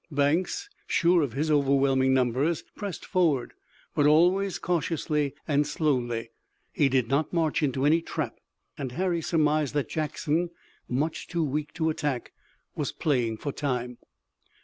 Banks, sure of his overwhelming numbers, pressed forward, but always cautiously and slowly. He did not march into any trap. And Harry surmised that Jackson, much too weak to attack, was playing for time.